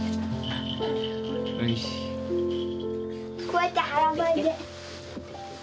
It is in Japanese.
こうやって腹ばいで。